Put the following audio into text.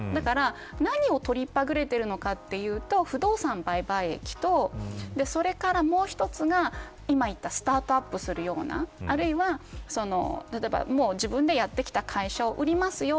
何をとりっぱぐれているのかというと不動産売買益とそれからもう一つが今言ったスタートアップするようなあるいは自分でやってきた会社を売りますよ。